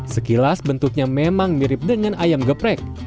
sekilas bentuknya memang mirip dengan ayam geprek